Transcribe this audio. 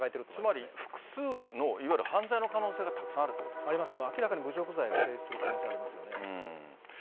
つまり、複数の、いわゆる犯罪の可能性がたくさんあるというあります、明らかに侮辱罪が成立する可能性がありますからね。